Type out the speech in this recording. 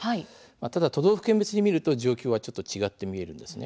ただ都道府県別に見ると状況はちょっと違って見えます。